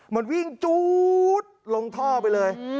มันวิ่งจู๊ดลงท่อไปเลย